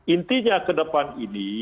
intinya kedepan ini